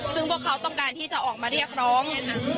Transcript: ซึ่งพวกเขาต้องการที่จะออกมาเรียกร้อง